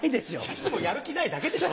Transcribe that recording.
いつもやる気ないだけでしょ。